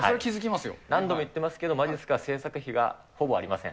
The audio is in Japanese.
何度も言ってますけど、まじっすか、制作費がほぼありません。